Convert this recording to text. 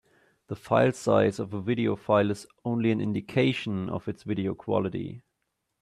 The filesize of a video file is only an indication of its video quality.